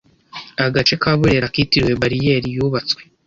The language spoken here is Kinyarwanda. Agace ka burera kitiriwe bariyeri yubatswe